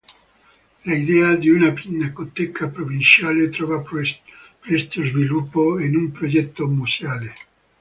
L'idea di una pinacoteca provinciale trova presto sviluppo in un progetto museale.